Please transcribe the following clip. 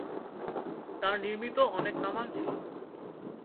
তার নির্মিত অনেক কামান ছিল।